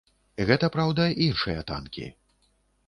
Гэта, праўда, іншыя танкі.